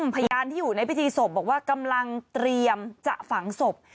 พยานที่อยู่ในพิธีศพบอกว่ากำลังเตรียมจะฝังศพ